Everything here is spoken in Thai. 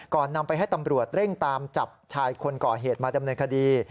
นำไปให้ตำรวจเร่งตามจับชายคนก่อเหตุมาดำเนินคดี